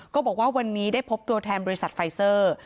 ก็บอกว่าวันนี้ได้พบตัวแทนบริษัทไฟเซอร์